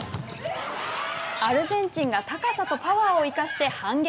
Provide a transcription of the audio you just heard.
アルゼンチンが高さとパワーを生かして反撃。